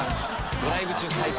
ドライブ中最高。